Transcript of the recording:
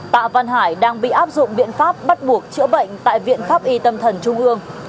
tạ văn hải đang bị áp dụng biện pháp bắt buộc chữa bệnh tại viện pháp y tâm thần trung ương